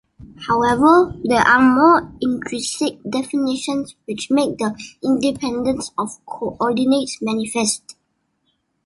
However, there are more intrinsic definitions which make the independence of coordinates manifest.